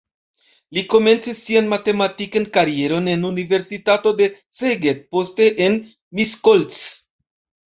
Li komencis sian matematikan karieron en universitato de Szeged, poste en Miskolc.